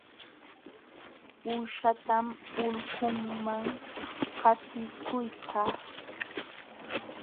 Uushatam ulquman qatikuykaa.